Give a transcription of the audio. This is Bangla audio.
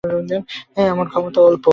আমার ক্ষমতা অল্প।